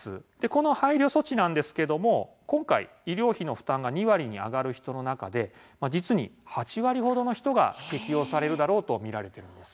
この配慮措置なんですけども今回、医療費の負担が２割に上がる人の中で、実に８割程の人が適用されるだろうと見られています。